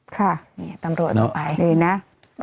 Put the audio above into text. ค่ะตำรวจตรงไป